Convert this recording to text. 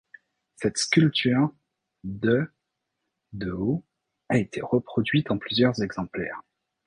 Cette sculpture de de haut a été reproduit en plusieurs exemplaires.